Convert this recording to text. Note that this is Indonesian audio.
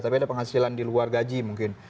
tapi ada penghasilan di luar gaji mungkin